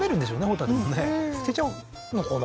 ホタテもね捨てちゃうのかな？